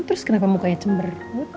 terus kenapa mukanya cember